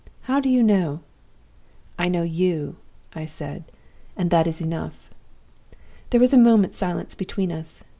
How do you know ?' "'I know you,' I said. 'And that is enough.' "There was a moment's silence between us.